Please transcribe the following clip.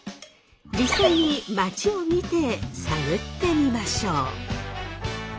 実際に街を見て探ってみましょう。